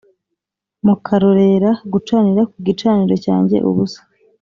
mukarorera gucanira ku gicaniro cyanjye ubusa!